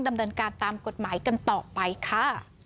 ดำเนินการตามกฎหมายกันต่อไปค่ะ